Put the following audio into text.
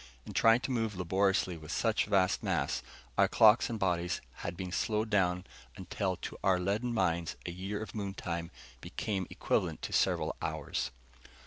And trying to move laboriously with such vast mass, our clocks and bodies had been slowed down until to our leaden minds a year of moon time became equivalent to several hours.